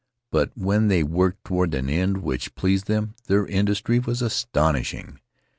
But when they worked toward an end which pleased them their industry was astonishing.